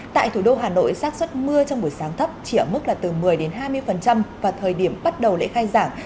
tại thủ đô hà nội sát xuất mưa trong buổi sáng thấp chỉ ở mức là từ một mươi hai mươi và thời điểm bắt đầu lễ khai giảng